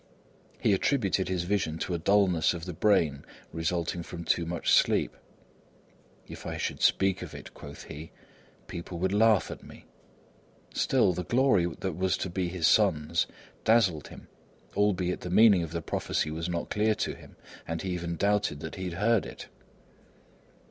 He attributed his vision to a dullness of the brain resulting from too much sleep. "If I should speak of it," quoth he, "people would laugh at me." Still, the glory that was to be his son's dazzled him, albeit the meaning of the prophecy was not clear to him, and he even doubted that he had heard it.